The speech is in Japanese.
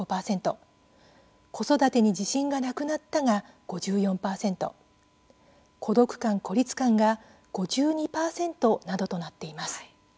子育てに自信がなくなったが５４％孤独感・孤立感が５２％などとなっています。